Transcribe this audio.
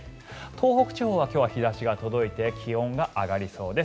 東北地方は今日は日差しが届いて気温が上がりそうです。